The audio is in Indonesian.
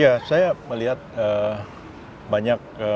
ya saya melihat banyak